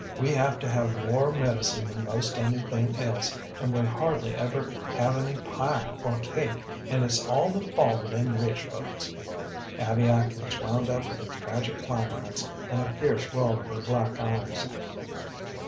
We have to have more medicine than most anything else, and we hardly ever have any pie or cake, and it's all the fault of them rich folks." Abby Atkins wound up with a tragic climax and a fierce roll of her black eyes.